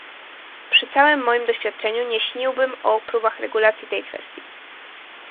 Przy całym moim doświadczeniu nie śniłbym o próbach regulacji tej kwestii